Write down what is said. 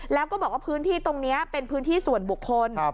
แล้วก็บอกว่าพื้นที่ตรงนี้เป็นพื้นที่ส่วนบุคคล